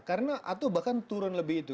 karena atau bahkan turun lebih itu